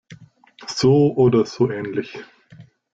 So oder so ähnlich.